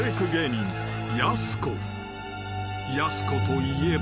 ［やす子といえば］